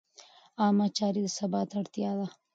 عامه چارې د ثبات اړتیا ده.